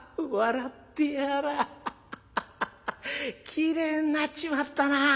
きれいになっちまったなぁ。